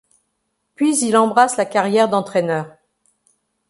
Puis il embrasse la carrière d'entraîneur.